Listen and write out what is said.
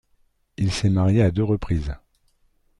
Il s'est marié à deux reprises.